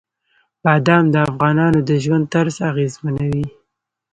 بادام د افغانانو د ژوند طرز اغېزمنوي.